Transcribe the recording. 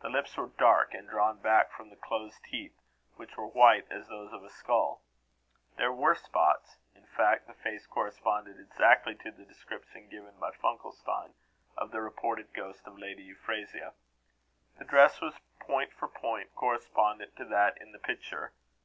The lips were dark, and drawn back from the closed teeth, which were white as those of a skull. There were spots in fact, the face corresponded exactly to the description given by Funkelstein of the reported ghost of Lady Euphrasia. The dress was point for point correspondent to that in the picture.